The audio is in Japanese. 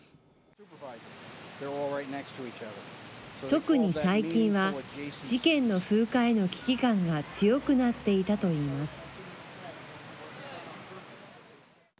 特に最近は事件の風化への危機感が強くなっていたといいます。